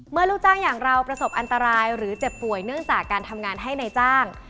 ลูกจ้างอย่างเราประสบอันตรายหรือเจ็บป่วยเนื่องจากการทำงานให้นายจ้าง